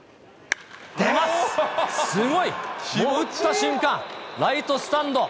出ます、すごい。打った瞬間、ライトスタンド。